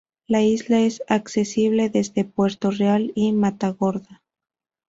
La isla es accesible desde Puerto Real y Matagorda.